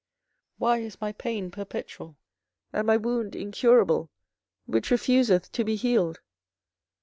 24:015:018 Why is my pain perpetual, and my wound incurable, which refuseth to be healed?